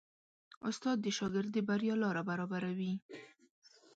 استاد د شاګرد د بریا لاره برابروي.